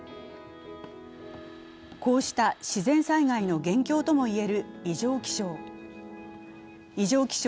こうした自然災害の元凶ともいえる異常気象。